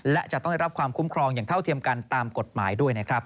และจะต้องได้รับความคุ้มครองอย่างเท่าเทียมกันตามกฎหมายด้วยนะครับ